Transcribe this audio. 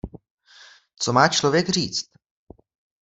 Co má člověk říct?